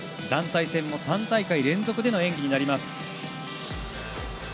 団体戦も３大会連続での演技になります。